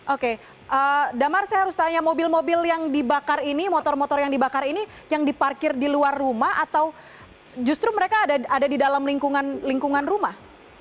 oke damar saya harus tanya mobil mobil yang dibakar ini motor motor yang dibakar ini yang diparkir di luar rumah atau justru mereka ada di dalam lingkungan rumah